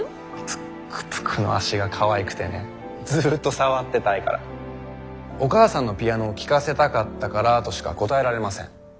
ぷっくぷくの足がかわいくてねずっと触ってたいからお母さんのピアノを聴かせたかったからとしか答えられません。